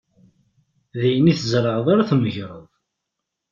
D ayen i tzerεeḍ ara tmegreḍ.